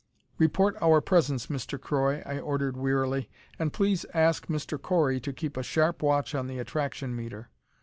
"Report our presence, Mr. Croy," I ordered wearily. "And please ask Mr. Correy to keep a sharp watch on the attraction meter."